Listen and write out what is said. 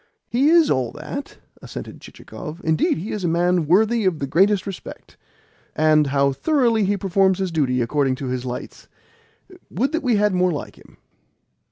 "He is all that," assented Chichikov. "Indeed, he is a man worthy of the greatest respect. And how thoroughly he performs his duty according to his lights! Would that we had more like him!"